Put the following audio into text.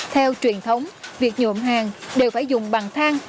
theo truyền thống việc nhộn hàng đều phải dùng bằng thang